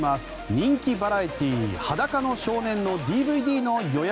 人気バラエティー「裸の少年」のＤＶＤの予約